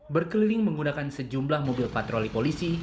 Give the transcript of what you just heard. berkeliling menggunakan sejumlah mobil patroli polisi